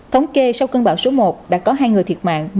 thống kê sau cơn bão số một đã có hai người thiệt mạng